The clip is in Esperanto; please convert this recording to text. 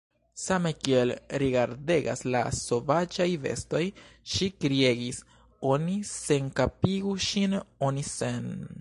same kiel rigardegas la sovaĝaj bestoj, ŝi kriegis: "Oni senkapigu ŝin, oni sen…"